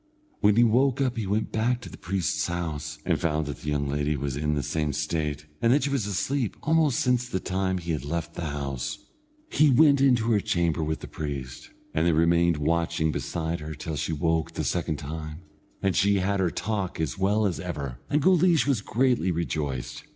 When he woke up he went back to the priest's house, and found that the young lady was in the same state, and that she was asleep almost since the time that he left the house. He went into her chamber with the priest, and they remained watching beside her till she awoke the second time, and she had her talk as well as ever, and Guleesh was greatly rejoiced.